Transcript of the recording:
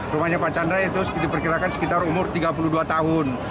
rumahnya pak chandra itu diperkirakan sekitar umur tiga puluh dua tahun